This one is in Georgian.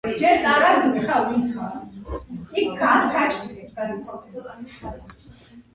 ახალგაზრდა ფრინველები ზრდასრულების ზამთრის შეფერილობის მსგავსად გამოიყურებიან, მაგრამ მათგან განსხვავებით უკანა ტერფები მწვანე აქვთ.